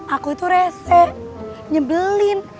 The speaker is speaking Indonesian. aku itu rese nyebelin